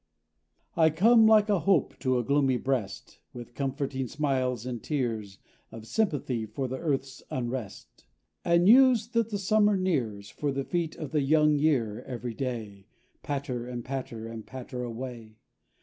I come, like a hope to a gloomy breast, With comforting smiles, and tears Of sympathy for the earth's unrest; And news that the summer nears, For the feet of the young year every day Patter and patter and patter away.